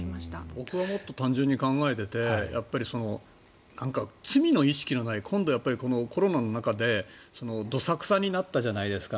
僕はもっと単純に考えていて罪の意識のない今度、このコロナの中でどさくさになったじゃないですか。